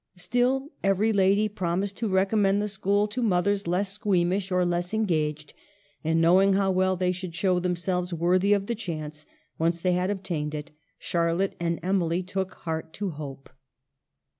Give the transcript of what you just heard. Still, every lady promised to recommend the school to mothers less squeam ish, or less engaged ; and, knowing how well they would show themselves worthy of the chance, once they had obtained it, Charlotte and Emily took heart to hope.